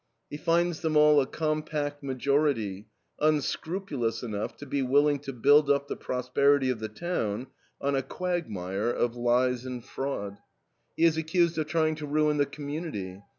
He finds them all a compact majority, unscrupulous enough to be willing to build up the prosperity of the town on a quagmire of lies and fraud. He is accused of trying to ruin the community.